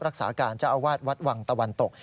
รักษาการเจ้าอาวาสวัดวังตะวันตก